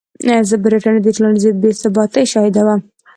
برېټانیا د ټولنیزې بې ثباتۍ شاهده وه.